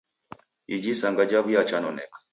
Iji isanga jaw'iachanoneka.